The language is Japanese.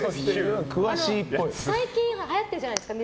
最近はやってるじゃないですか。